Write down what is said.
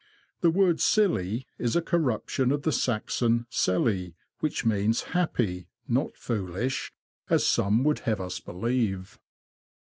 The word " silly " is a corruption of the Saxon '' selli," which means happy, not fooHsh, as some would have us believe.